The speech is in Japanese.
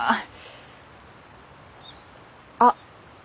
あっ！